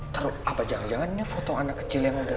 terus apa jangan jangan ini foto anak kecil yang udah